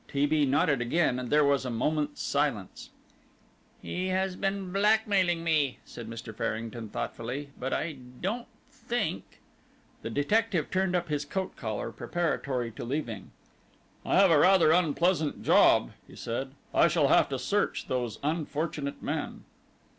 T. B. nodded again, and there was a moment's silence. "He has been blackmailing me," said Mr. Farrington, thoughtfully, "but I don't think " The detective turned up his coat collar preparatory to leaving. "I have a rather unpleasant job," he said. "I shall have to search those unfortunate men."